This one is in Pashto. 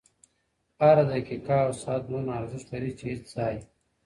هره دقيقه او ساعت دونه ارزښت لري چي هېڅ ځای .